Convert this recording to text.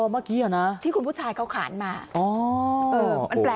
อ๋อเมื่อกี้หรอที่คุณผู้ชายเขาขารมา